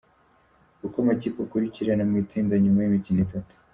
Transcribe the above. Uko amakipe akurikirana mu itsinda nyuma y’imikino itatu.